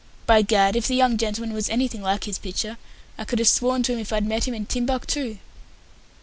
By Gad, if the young gentleman was anything like his picture, I could have sworn to him if I'd met him in Timbuctoo."